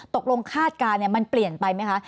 คาดการณ์มันเปลี่ยนไปไหมคะ